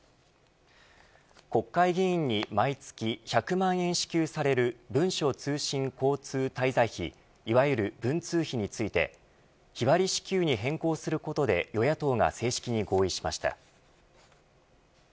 国会議員に毎月１００万円支給される、文書通信交通滞在費いわゆる文通費について日割り支給に変更することで与野党が正式に合意しました。